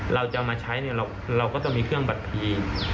เราจะมาใช้เนี่ยเราก็ต้องมีเครื่องบัดพี